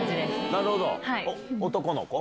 なるほど、男の子？